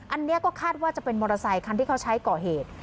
อันนี้ก็คาดว่าจะเป็นมอเตอร์ไซคันที่เขาใช้ก่อเหตุ